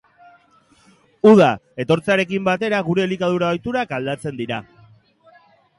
Uda etortzearekin batera, gure elikadura ohiturak aldatzen dira.